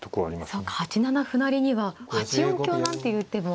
そうか８七歩成には８四香なんていう手も。